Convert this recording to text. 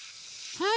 はい！